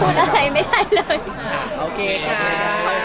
โปรดติดตามตอนต่อไป